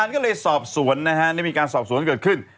ก็เลยสอบสวนนะฮะได้มีการสอบสวนเกิดขึ้น